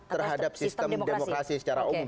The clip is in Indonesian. terhadap sistem demokrasi secara umum